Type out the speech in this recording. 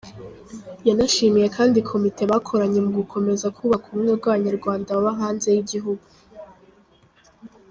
Yanashimiye kandi komite bakoranye mu gukomeza kubaka ubumwe bw’abanyarwanda baba hanze y’igihugu.